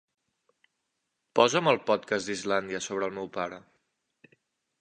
Posa'm el podcast d'Islàndia sobre el meu pare.